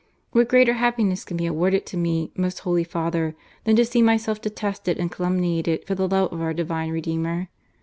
What greater happiness can be awarded to me, most Holy Father, than to see myself detested and calumniated for the love of our Divine Redeemer?